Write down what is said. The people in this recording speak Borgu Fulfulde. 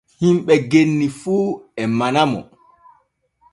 Himɓe genni fu e manamo.